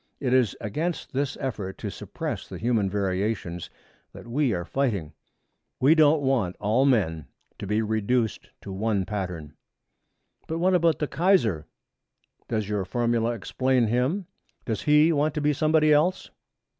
It is against this effort to suppress the human variations that we are fighting. We don't want all men to be reduced to one pattern.' 'But what about the Kaiser? Does your formula explain him? Does he want to be somebody else?'